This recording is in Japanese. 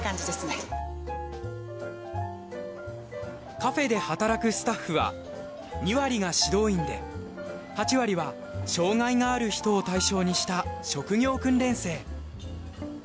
カフェで働くスタッフは２割が指導員で８割は障がいがある人を対象にした職業訓練生。